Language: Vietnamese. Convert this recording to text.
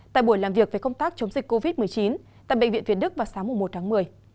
tại buổi làm việc về công tác chống dịch covid một mươi chín tại bệnh viện việt đức vào sáng một tháng một mươi